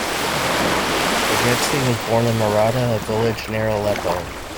Aygektsi was born in Marata, a village near Aleppo.